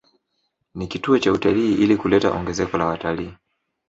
Ni kituo cha utalii ili kuleta ongezeko la wataliii